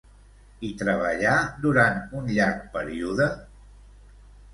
Hi treballà durant un llarg període?